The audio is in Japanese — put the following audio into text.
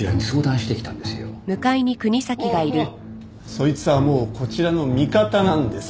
そいつはもうこちらの味方なんですか。